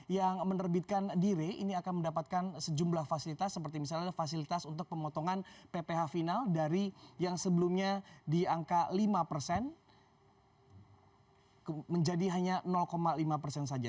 yang menerbitkan diri ini akan mendapatkan sejumlah fasilitas seperti misalnya fasilitas untuk pemotongan pph final dari yang sebelumnya di angka lima persen menjadi hanya lima persen saja